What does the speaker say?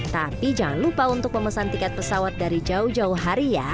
tapi jangan lupa untuk memesan tiket pesawat dari jauh jauh hari ya